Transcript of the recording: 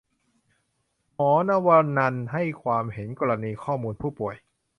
หมอนวนรรณให้ความเห็นกรณีข้อมูลผู้ป่วย